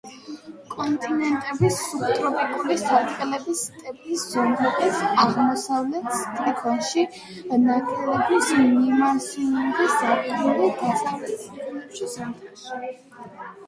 კონტინენტების სუბტროპიკული სარტყლების სტეპის ზონების აღმოსავლეთ სექტორებში ნალექების მაქსიმალური ზაფხულშია, დასავლეთ სექტორებში —ზამთარში.